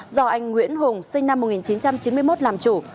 do anh nguyễn hùng sinh năm một nghìn chín trăm chín mươi một làm chủ